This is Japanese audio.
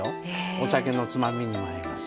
お酒のつまみにも合います。